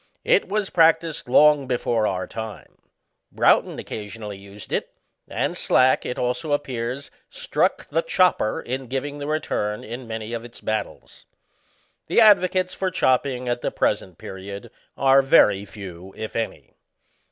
It was practised long before our time ; Broughton occasionally used it ; and Slack, it also appears, struck the chopper in giving the return in many of its battles. The advocates for chopping , at the present period, are very few, if any.